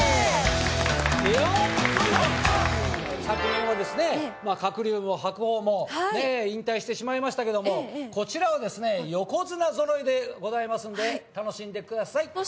昨年はですね鶴竜も白鵬も引退してしまいましたけどもこちらはですね横綱ぞろいでございますんで楽しんでください。